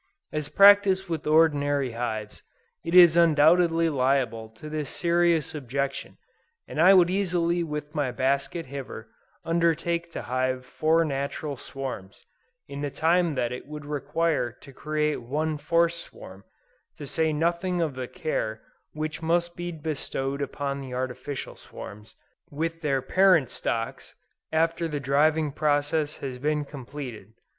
As practiced with ordinary hives, it is undoubtedly liable to this serious objection, and I would easily with my basket hiver, undertake to hive four natural swarms, in the time that it would require to create one forced swarm; to say nothing of the care which must be bestowed upon the artificial swarms, with their parent stocks, after the driving process has been completed.